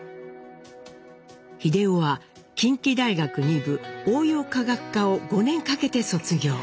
英夫は近畿大学二部応用化学科を５年かけて卒業。